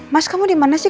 mas kamu dimana sih